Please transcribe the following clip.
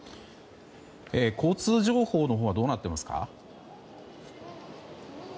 交通情報のほうはどうなっていますか。